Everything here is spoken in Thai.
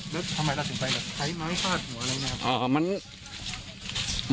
แล้วทำไมเราถึงไปแล้วใช้ไม้พลาดหัวอะไรนะครับ